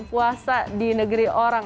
puasa di negeri orang